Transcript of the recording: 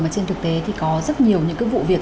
mà trên thực tế thì có rất nhiều những cái vụ việc